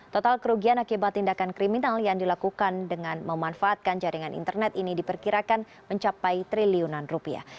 total kerugian akibat tindakan kriminal yang dilakukan dengan memanfaatkan jaringan internet ini diperkirakan mencapai triliunan rupiah